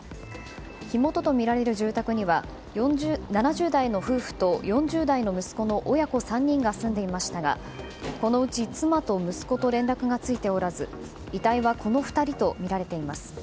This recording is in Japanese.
火元とみられる住宅には７０代の夫婦と４０代の息子の親子３人が住んでいましたが、このうち妻と息子と連絡がついておらず遺体はこの２人とみられています。